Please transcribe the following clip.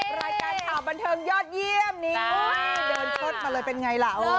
รายการข่าวบันเทิงยอดเยี่ยมนี่เดินเชิดมาเลยเป็นไงล่ะ